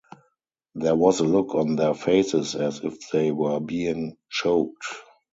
There was a look on their faces as if they were being choked.